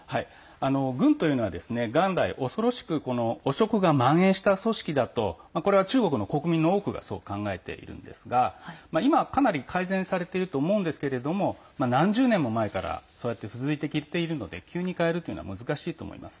軍というのは元来、恐ろしく汚職がまん延した組織だとこれは中国の国民の多くがそう考えているんですが今は、かなり改善されていると思うんですけども何十年も前からそうやって続いてきているので急に変えるのは難しいと思います。